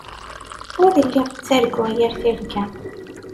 Ur lliɣ ttarguɣ yir tirga.